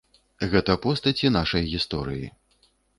Гэта постаці нашай гісторыі.